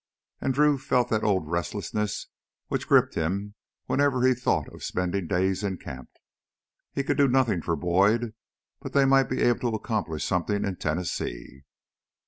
And Drew felt that old restlessness, which gripped him whenever he thought of spending days in camp. He could do nothing for Boyd, but they might be able to accomplish something in Tennessee.